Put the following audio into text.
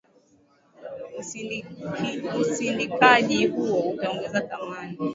Usindikaji huo utaongeza thamani